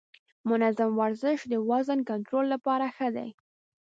منظم ورزش د وزن کنټرول لپاره ښه دی.